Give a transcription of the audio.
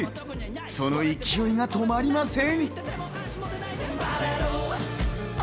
その勢いが止まりません。